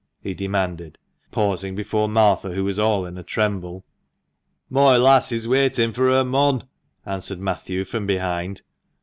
he demanded, pausing before Martha, who was all in a tremble. "Moi lass is waitin' fur her mon," answered Matthew from behind.